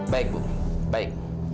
baik bu baik